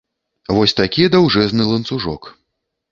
Вось такі даўжэзны ланцужок.